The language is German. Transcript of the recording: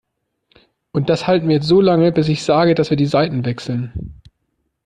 Und das halten wir jetzt so lange, bis ich sage, dass wir die Seiten wechseln.